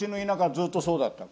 ずっとそうだった。